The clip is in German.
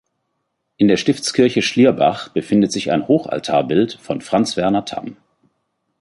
In der Stiftskirche Schlierbach befindet sich ein Hochaltarbild von Franz Werner Tamm.